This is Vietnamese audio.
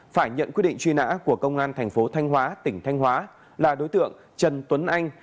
phải nhận quyết định truy nã của công an thành phố thanh hóa tỉnh thanh hóa là đối tượng trần tuấn anh